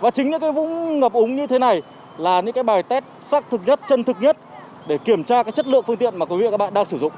và chính những vũng ngập úng như thế này là những bài test sắc thực nhất chân thực nhất để kiểm tra chất lượng phương tiện mà quý vị và các bạn đang sử dụng